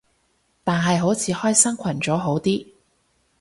但係好似開新群組好啲